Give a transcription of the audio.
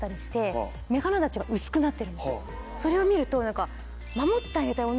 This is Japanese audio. それを見ると。